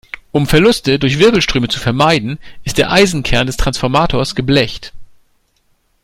Um Verluste durch Wirbelströme zu vermeiden, ist der Eisenkern des Transformators geblecht.